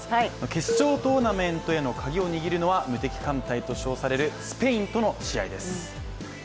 決勝トーナメントへのカギを握るのは無敵艦隊と称されるスペインとの試合です。